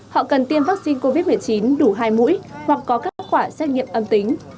họ cần tiêm vaccine covid một mươi chín đủ hai mũi hoặc có các khóa xét nghiệm âm tính